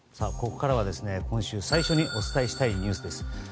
ここからは、今週最初にお伝えしたいニュースです。